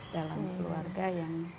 dalam keluarga yang